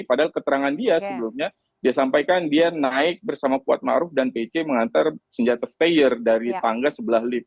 padahal keterangan dia sebelumnya dia sampaikan dia naik bersama kuat maruf dan pc mengantar senjata stayer dari tangga sebelah lift